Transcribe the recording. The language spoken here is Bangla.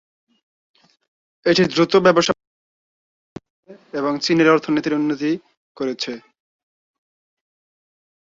এটি দ্রুত ব্যবসা-বাণিজ্যকে সহায়তা করেছে এবং চীনের অর্থনীতির উন্নতি করেছে।